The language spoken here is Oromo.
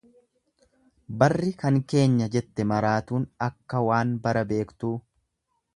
Barri kan keenya jette maraatuun akka waan bara beektuu.